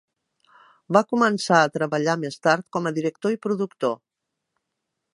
Va començar a treballar més tard com a director i productor.